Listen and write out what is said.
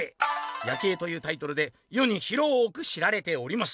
『夜警』というタイトルでよに広く知られております」。